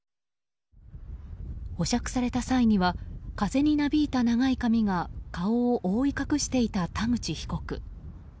保釈された際には風になびいた長い髪が顔を覆い隠していた田口被告。